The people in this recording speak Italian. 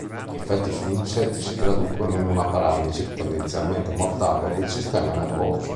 Gli effetti sugli insetti si traducono in una paralisi, tendenzialmente mortale, del sistema nervoso.